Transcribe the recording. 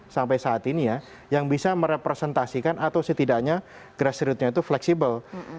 sampai saat ini ya yang bisa merepresentasikan atau setidaknya grassrootnya itu fleksibel